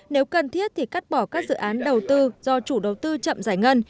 nếu cần thiết thì cắt bỏ các dự án đầu tư do chủ đầu tư chậm giải ngân